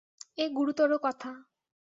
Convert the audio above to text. এ গুরুতর কথা।